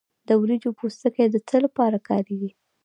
د وریجو پوستکی د څه لپاره کاریږي؟